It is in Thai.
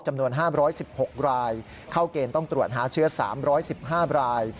จำนวน๕๑๖รายเข้าเกณฑ์ต้องตรวจหาเชื้อ๓๑๕ราย